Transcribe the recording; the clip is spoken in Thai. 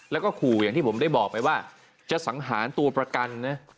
แล้วก็ขู่อย่างที่ผมได้บอกไปว่าจะสังหารตัวประกันนะ